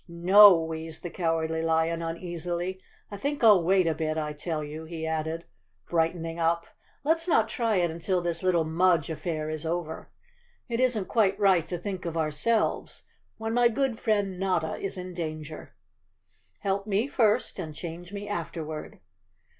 "No," wheezed the Cowardly Lion uneasily, "I think I'll wait a bit, I tell you," he added, brightening up, "let's not try it until this little Mudge affair is over. It isn't quite right to think of ourselves when my good friend Notta is in danger. Help me first and change me afterward."